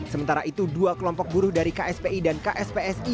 sementara itu dua kelompok buruh dari kspi dan kspsi